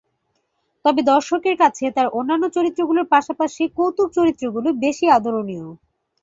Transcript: তবে দর্শকের কাছে তার অন্যান্য চরিত্রগুলোর পাশাপাশি কৌতুক চরিত্রগুলো বেশি আদরণীয়।